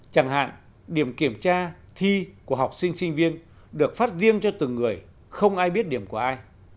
chẳng hạn điểm kiểm tra thi của học sinh sinh viên được phát riêng cho từng người không ai biết điểm của ai